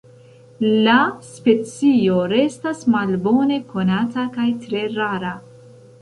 La specio restas malbone konata kaj tre rara.